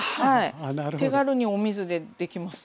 手軽にお水でできます。